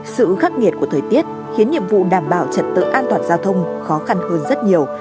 sự khắc nghiệt của thời tiết khiến nhiệm vụ đảm bảo trật tự an toàn giao thông khó khăn hơn rất nhiều